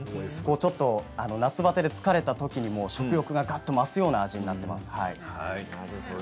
夏バテで疲れたときにも食欲が、がっと増すような味になっています。